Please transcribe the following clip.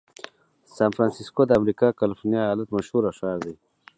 سان فرنسیسکو د امریکا کالفرنیا ایالت مشهوره ښار دی.